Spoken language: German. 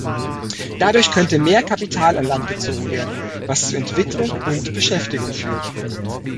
Dadurch könnte mehr Kapital an Land gezogen werden, was zu Entwicklung und Beschäftigung führt.